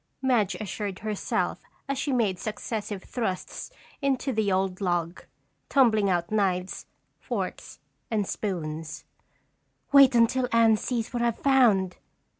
Madge assured herself as she made successive thrusts into the old log, tumbling out knives, forks and spoons. "Wait until Anne sees what I've found!"